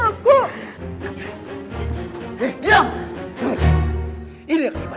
kalau lu ikut campur urusan mulai